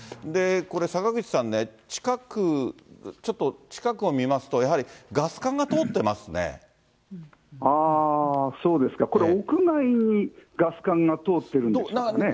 これ、坂口さんね、近く、ちょっと近くを見ますと、やはりガス管あー、そうですか、これ、屋外にガス管が通ってるんでしょうかね。